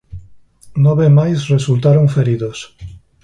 Nove máis resultaron feridos.